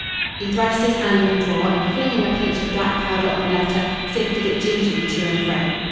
He thrust his hand in a drawer, and, flinging a pinch of black powder on the letter, sifted it gingerly to and fro.